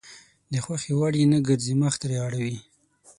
د خوښې وړ يې نه ګرځي مخ ترې اړوي.